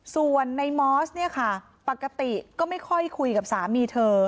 ส่วนในมอสเนี่ยค่ะปกติก็ไม่ค่อยคุยกับสามีเธอ